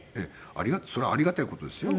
そりゃありがたい事ですよ